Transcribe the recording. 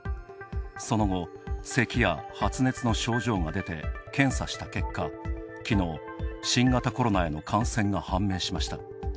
その後、せきや発熱の症状が出て検査した結果、きのう、新型コロナへの感染が判明しました。